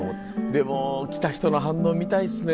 でも来た人の反応見たいっすね。